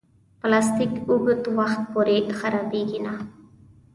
پلاستيک اوږد وخت پورې خرابېږي نه.